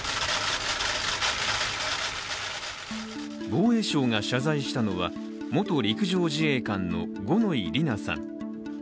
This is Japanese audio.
防衛省が謝罪したのは、元陸上自衛官の五ノ井里奈さん。